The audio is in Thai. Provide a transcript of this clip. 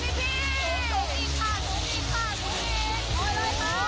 สูงดีค่ะสูงดีค่ะสูงดีค่ะ